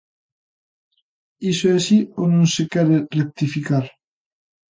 ¿Iso é así, ou non se quere rectificar?